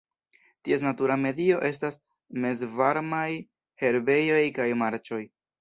Ties natura medio estas mezvarmaj herbejoj kaj marĉoj.